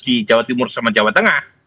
di jawa timur sama jawa tengah